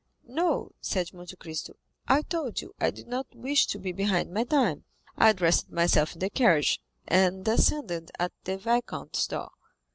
"No," said Monte Cristo; "I told you I did not wish to be behind my time; I dressed myself in the carriage, and descended at the viscount's door."